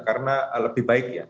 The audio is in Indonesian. karena lebih baik ya